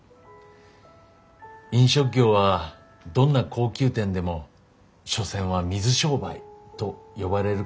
飲食業はどんな高級店でも所詮は水商売と呼ばれることもあります。